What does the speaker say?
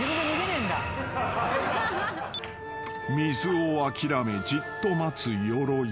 ［水を諦めじっと待つヨロイ］